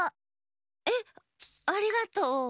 えっありがとう。